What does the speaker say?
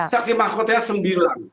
saksi mahkotanya sembilan